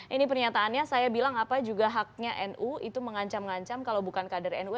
ini pernyataannya saya bilang apa juga haknya nu itu mengancam ngancam kalau bukan kader nu